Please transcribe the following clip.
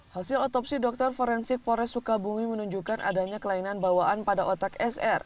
hasil otopsi dokter forensik pores sukabumi menunjukkan adanya kelainan bawaan pada otak sr